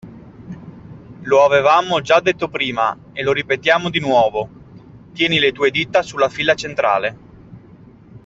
Lo avevamo già detto prima, e lo ripetiamo di nuovo, tieni le tue dita sulla fila centrale.